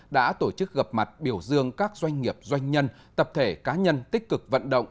đã tổ chức gặp mặt biểu dương các doanh nghiệp doanh nhân tập thể cá nhân tích cực vận động